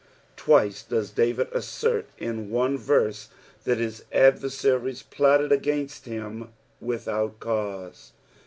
Twice does David assert in one verse that his adveraaiies plotted against liim ^' tnUhout cau»e."